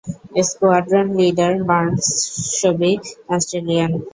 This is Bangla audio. Squadron leader Barnsby Australian.